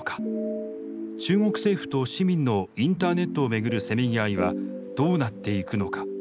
中国政府と市民のインターネットを巡るせめぎ合いはどうなっていくのか。